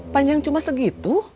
panjang cuma segitu